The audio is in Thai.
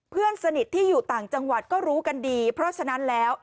เพื่อนสนิทที่อยู่ต่างจังหวัดก็รู้กันดีเพราะฉะนั้นแล้ว